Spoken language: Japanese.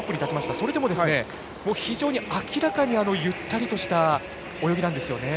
それでも、非常に明らかにゆったりとした泳ぎなんですよね。